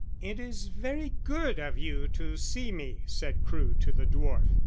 "It is very good of you to see me," said Crewe to the dwarf.